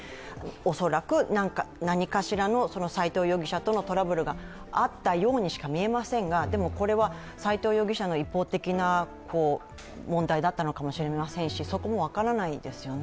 恐らく何かしらの斎藤容疑者とのトラブルがあったようにしか見えませんがでもこれは、斎藤容疑者の一方的な問題だったのかもしれませんしそこも分からないですよね。